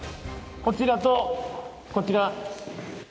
こちらとこちら。